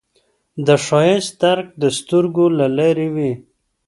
د ښایست درک د سترګو له لارې وي